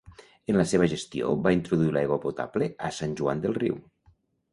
En la seva gestió va introduir l'aigua potable a Sant Joan del Riu.